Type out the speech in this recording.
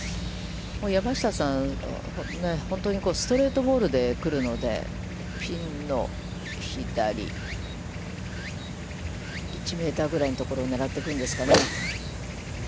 山下さん、本当にストレートボールで来るので、ピンの左、１メートルぐらいのところを狙ってくるんですかね。